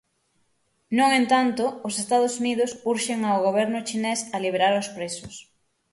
No entanto, os Estados Unidos urxen ao Goberno chinés a liberar os presos.